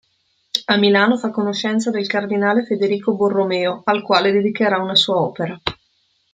A Milano fa conoscenza del cardinale Federico Borromeo, al quale dedicherà una sua opera.